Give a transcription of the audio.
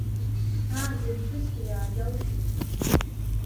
Ааӡаҩԥҳәысгьы иааџьалшьеит.